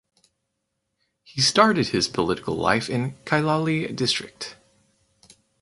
He started His Political life in Kailali District.